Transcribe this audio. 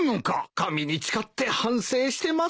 神に誓って反省してます。